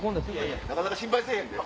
なかなか心配せぇへんで。